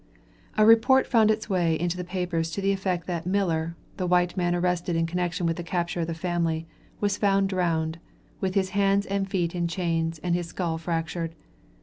A report found its way into the papers to the effect that "Miller," the white man arrested in connection with the capture of the family, was found drowned, with his hands and feet in chains and his skull fractured.